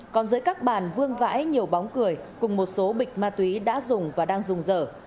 còn giữa các bàn vương vãi nhiều bóng cười cùng một số bịch ma túy đã dùng và đang dùng dở